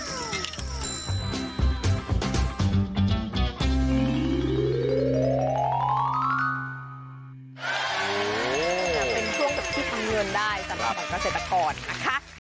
จะเป็นช่วงที่ทำเงินได้สำหรับข้าเศรษฐกรนะคะ